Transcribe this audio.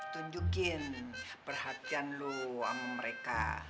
tunjukin perhatian lo sama mereka